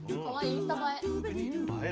インスタ映え。